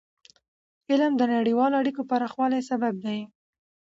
علم د نړیوالو اړیکو پراخوالي سبب دی.